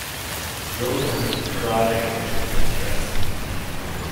Rosa has been crying and is in distress.